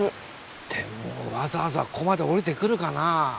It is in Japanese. でもわざわざここまで下りてくるかな？